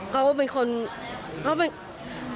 เขาจะพูดอย่างเราอย่างนี้แหละ